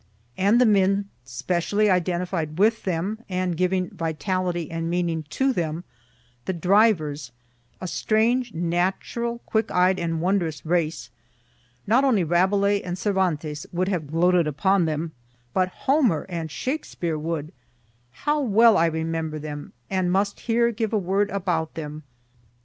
And the men specially identified with them, and giving vitality and meaning to them the drivers a strange, natural, quick eyed and wondrous race (not only Rabelais and Cervantes would have gloated upon them, but Homer and Shakspere would) how well I remember them, and must here give a word about them.